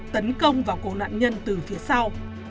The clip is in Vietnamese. tấn công vào cô nạn nhân từ phía sau